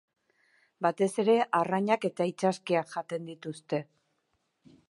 Batez ere, arrainak eta itsaskiak jaten dituzte.